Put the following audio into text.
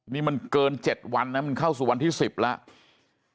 นี่มันเกิน๗วันนะมันเข้าสู่วันที่๑๐แล้ว